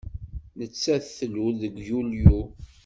Nettat tlul deg Yulyu.